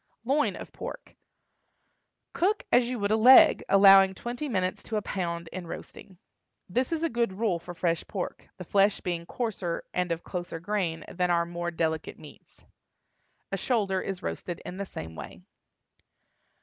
LOIN OF PORK. Cook as you would a leg, allowing twenty minutes to a pound in roasting. This is a good rule for fresh pork, the flesh being coarser and of closer grain than are more delicate meats. A shoulder is roasted in the same way.